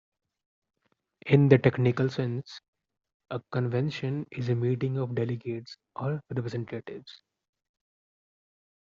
In the technical sense, a convention is a meeting of delegates or representatives.